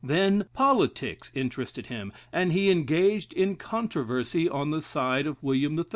Then politics interested him, and he engaged in controversy on the side of William III.